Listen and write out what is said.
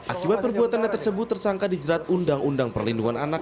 akibat perbuatannya tersebut tersangka dijerat undang undang perlindungan anak